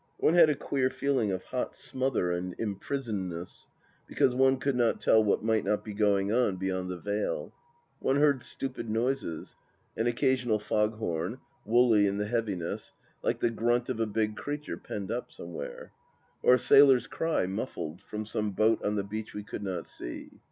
One had a queer feeling of hot smother and imprisonedness — ^because one could not tell what might not be going on beyond the veil. One heard stupid noises — an occasional fog horn, woolly in the heavi ness, like the grunt of a big creature penned up somewhere ; or a sailor's cry, muffled, from some boat on the beach we could not see.